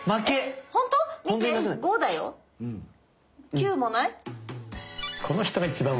９もない？